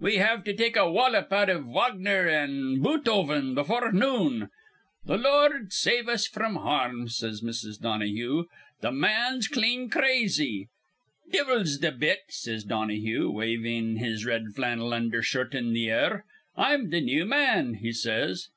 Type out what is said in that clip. We have to take a wallop out iv Wagner an' Bootoven befure noon.' 'Th' Lord save us fr'm harm,' says Mrs. Donahue. 'Th' man's clean crazy.' 'Divvle's th' bit,' says Donahue, wavin' his red flannel undhershirt in th' air. 'I'm the new man,' he says.